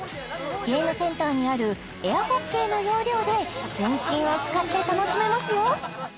ゲームセンターにあるエアホッケーの要領で全身を使って楽しめますよ